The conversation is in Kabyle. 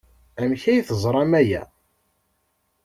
Amek ay teẓram aya?